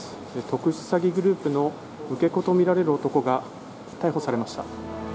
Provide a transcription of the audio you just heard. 特殊詐欺グループの受け子とみられる男が逮捕されました。